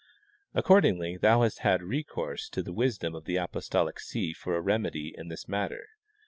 Accordingly thou hast had recourse to the wisdom of the apostolic see for a remedy in this matter.